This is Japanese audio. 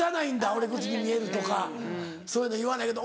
「俺いくつに見える？」とかそういうの言わないけど。